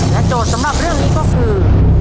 โจทย์สำหรับเรื่องนี้ก็คือ